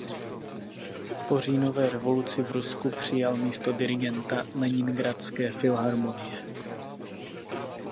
Po Říjnové revoluci v Rusku přijal místo dirigenta Leningradské filharmonie.